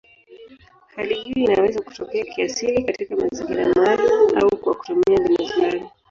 Hali hiyo inaweza kutokea kiasili katika mazingira maalumu au kwa kutumia mbinu fulani.